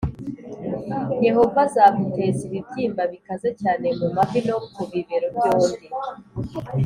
“yehova azaguteza ibibyimba bikaze cyane mu mavi no ku bibero byombi,